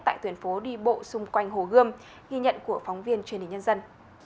tại tuyển phố đi bộ xung quanh hồ gươm ghi nhận của phóng viên truyền hình nhân dân